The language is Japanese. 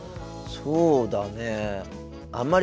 そうだね。